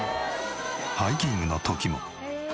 ハイキングの時も。